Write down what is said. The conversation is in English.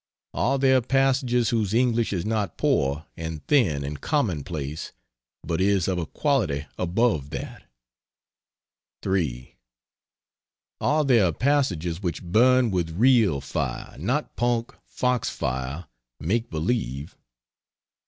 Are there passages whose English is not poor and thin and commonplace, but is of a quality above that? 3. Are there passages which burn with real fire not punk, fox fire, make believe?